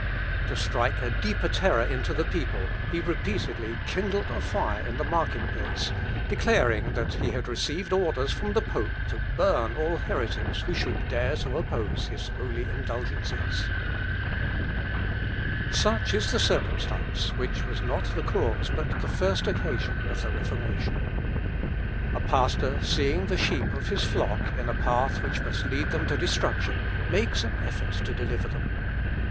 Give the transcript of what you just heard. To strike a deeper terror into the people, he repeatedly kindled a fire in the market place, declaring he had received orders from the pope to burn all heretics who should dare to oppose his holy indulgences. "Wütet, schilt und maledeit græulich auf dem Predigtstuhl." (Myconius, Reformationsgesch.) Such is the circumstance, which was not the cause, but the first occasion of the Reformation. A pastor seeing the sheep of his flock in a path which must lead them to destruction, makes an effort to deliver them.